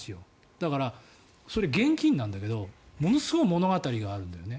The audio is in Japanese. だから、それ、現金なんだけどものすごい物語があるんだよね。